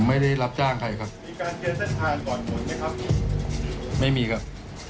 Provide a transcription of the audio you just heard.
ไม่ได้รับจ้างใครครับมีการเคลียร์เส้นทางก่อนหมดไหมครับไม่มีครับ